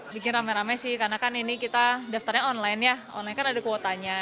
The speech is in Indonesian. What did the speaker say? bikin rame rame sih karena kan ini kita daftarnya online ya online kan ada kuotanya